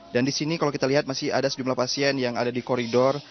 dan di sini kalau kita lihat masih ada sejumlah pasien yang ada di koridor